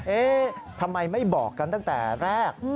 เอ๊ะทำไมไม่บอกกันตั้งแต่แรก